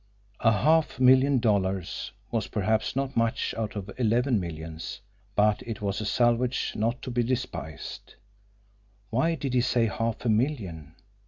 A half million dollars was perhaps not much out of eleven millions, but it was a salvage not to be despised! Why did he say half a million!